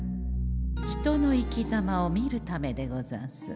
人の生きざまを見るためでござんす。